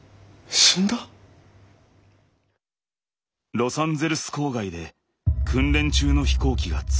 ☎ロサンゼルス郊外で訓練中の飛行機が墜落。